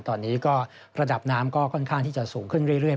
ตอนนี้ก็ระดับน้ำก็ค่อนข้างที่จะสูงขึ้นเรื่อย